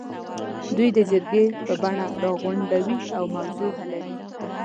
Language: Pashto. دوی د جرګې په بڼه راغونډوي او موضوع حلوي.